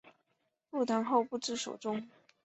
入唐后不知所终。